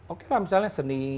oke lah misalnya seni